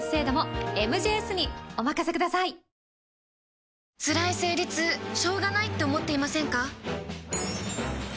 ニトリつらい生理痛しょうがないって思っていませんか？